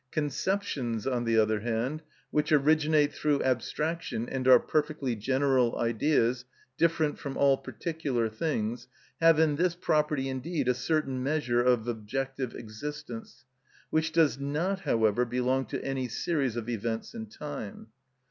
Conceptions, on the other hand, which originate through abstraction and are perfectly general ideas, different from all particular things, have in this property indeed a certain measure of objective existence, which does not, however, belong to any series of events in time.